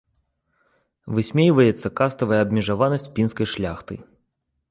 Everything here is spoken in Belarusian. Высмейваецца каставая абмежаванасць пінскай шляхты.